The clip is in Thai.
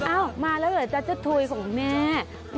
อ้าวมาแล้วเหรอจ๊ะจ๊ะถุยของแม่